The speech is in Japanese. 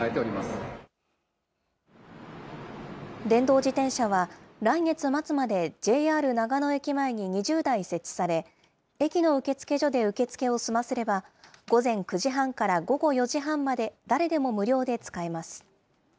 電動自転車は、来月末までＪＲ長野駅前に２０台設置され、駅の受付所で受付を済ませれば、午前９時半から午後４時半まで誰でも無料で使えます。